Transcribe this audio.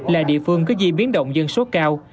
là địa phương có di biến động dân số cao